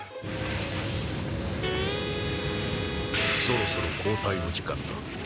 そろそろ交代の時間だ。